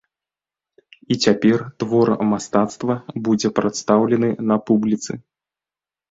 І цяпер твор мастацтва будзе прадстаўлены на публіцы.